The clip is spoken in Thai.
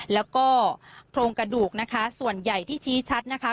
แล้วก็โครงกระดูกนะคะส่วนใหญ่ที่ชี้ชัดนะคะ